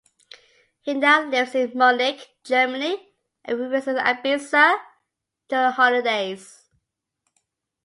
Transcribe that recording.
He now lives in Munich, Germany and revisits Ibiza during holidays.